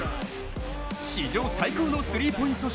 史上最高のスリーポイント